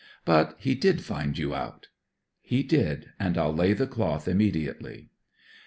'But he did find you out.' 'He did. And I'll lay the cloth immediately.'